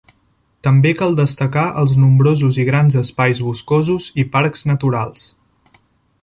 També cal destacar els nombrosos i grans espais boscosos i parcs naturals.